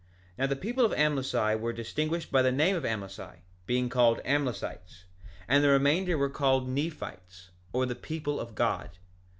2:11 Now the people of Amlici were distinguished by the name of Amlici, being called Amlicites; and the remainder were called Nephites, or the people of God.